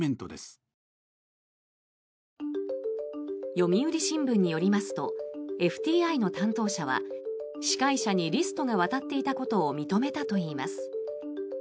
読売新聞によりますとＦＴＩの担当者は司会者にリストが渡っていたことを認めたといいます。